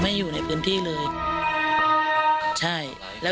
มีความรู้สึกว่า